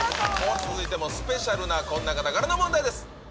続いても、スペシャルなこんな方からの問題です。